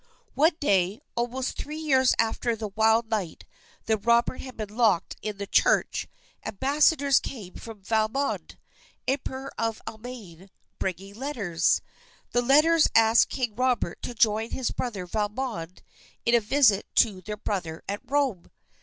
One day, almost three years after the wild night that Robert had been locked in the church, ambassadors came from Valmond, Emperor of Allemaine, bringing letters. The letters asked King Robert to join his brother Valmond in a visit to their brother at Rome.